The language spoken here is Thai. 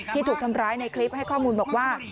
ถูกทำร้ายในคลิปให้ข้อมูลบอกว่า